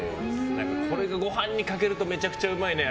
これがご飯にかけるとめちゃくちゃうまいのよ。